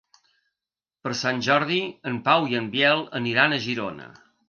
Per Sant Jordi en Pau i en Biel aniran a Girona.